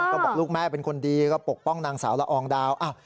ก็บอกลูกแม่เป็นคนดีก็ปกป้องนางสาวละอองดาว